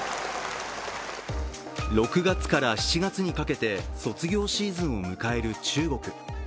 ６月から７月にかけて卒業シーズンを迎える中国。